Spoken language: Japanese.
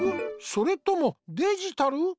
それともデジタル？